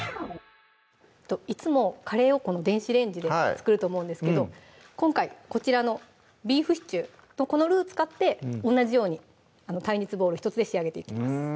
いつもカレーを電子レンジで作ると思うんですけど今回こちらのビーフシチューこのルウ使って同じように耐熱ボウル１つで仕上げていきます